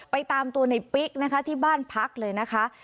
ตามตัวในปิ๊กนะคะที่บ้านพักเลยนะคะ